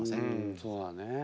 そうだね。